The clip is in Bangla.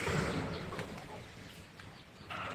আব্বা, আম্মি, এসব আমাকে দিয়ে হবে না।